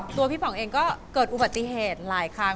พี่ป๋องเองก็เกิดอุบัติเหตุหลายครั้ง